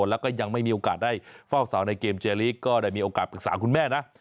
แล้วก็ยังไม่มีโอกาสได้เฝ้าเสาในเกมเจลีกก็ได้มีโอกาสปรึกษาคุณแม่นะ